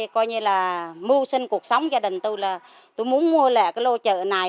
tôi mua lại lô chợ này